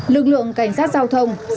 lực lượng cảnh sát giao thông